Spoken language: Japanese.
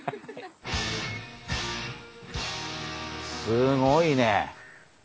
すごいね。